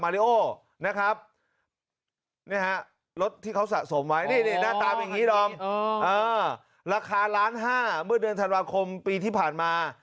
ราคา๑ล้าน๕เมื่อเดือนธันวาคมปีที่ผ่านมา